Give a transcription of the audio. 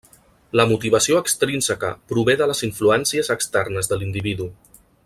La motivació extrínseca prové de les influències externes de l'individu.